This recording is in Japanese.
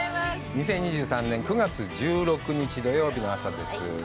２０２３年９月１６日、土曜日の朝です。